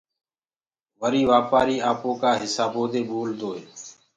وري وآپآري آپوڪآ هسابو دي ٻولدوئي